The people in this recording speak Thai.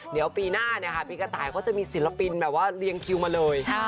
เดี๋ยวปีหน้าเนี่ยค่ะปีกระต่ายเขาจะมีศิลปินแบบว่าเรียงคิวมาเลย